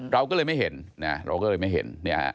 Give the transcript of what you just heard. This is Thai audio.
เราก็เลยไม่เห็น